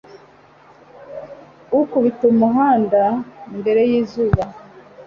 ukubita umuhanda mbere y'izuba